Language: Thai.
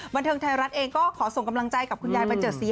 บันเทิงไทยรัฐเองก็ขอส่งกำลังใจกับคุณยายบันเจิดศรี